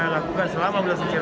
lakukan selama bulan suci ramadan